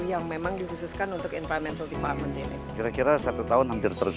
yang memang dikhususkan untuk environmental development ini kira kira satu tahun hampir terus